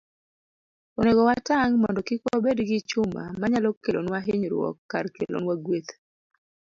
Onego watang' mondo kik wabed gi chuma manyalo kelonwa hinyruok kar kelonwa gweth.